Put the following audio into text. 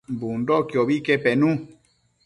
Bundoquiobi que penu